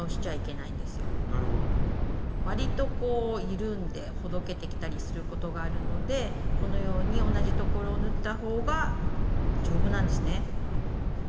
わりとこう緩んでほどけてきたりすることがあるのでこのように同じところを縫ったほうが丈夫なんですね。